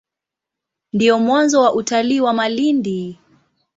Ndio mwanzo wa utalii wa Malindi.